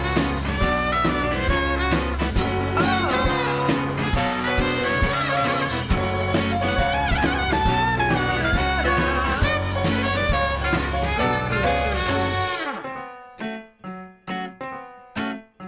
เอ๊ะบะหมี่ผัดนี่มันถ้าเป็นเมนูหรอ